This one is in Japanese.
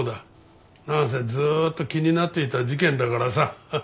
なんせずっと気になっていた事件だからさ。